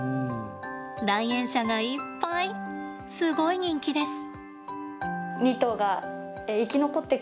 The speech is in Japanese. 来園者がいっぱいすごい人気です。